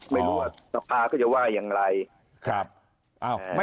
ไม่รู้ว่าสภาพก็จะว่ายังไง